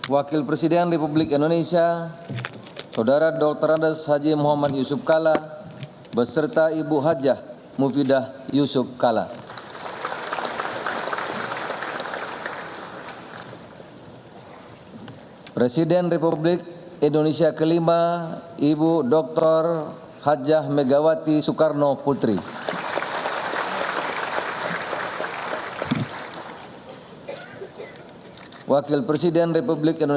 yang kami hormati presiden republik indonesia saudara insinyur haji joko widodo beserta ibu hajah iryana joko widodo